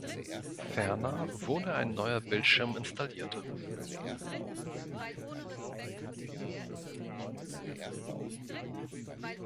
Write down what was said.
Ferner wurde ein neuer Bildschirm installiert.